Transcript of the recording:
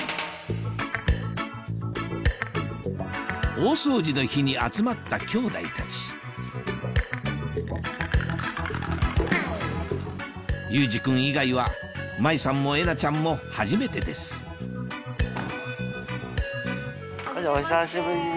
大掃除の日に集まったきょうだいたち有志君以外は麻衣さんもえなちゃんも初めてですお久しぶりです。